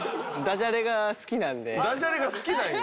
ダジャレが好きなんや。